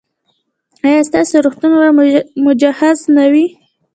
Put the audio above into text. ایا ستاسو روغتون به مجهز نه وي؟